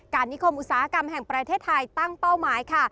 นิคมอุตสาหกรรมแห่งประเทศไทยตั้งเป้าหมายค่ะ